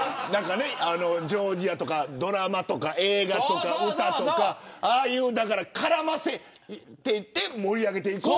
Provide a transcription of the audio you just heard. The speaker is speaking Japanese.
ジョージアとかドラマとか映画とかああいう絡ませて盛り上げていこうという。